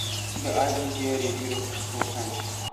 د آل انډيا ريډيو د پښتو څانګې